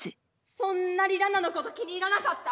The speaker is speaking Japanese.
そんなにラナのこと気に入らなかった？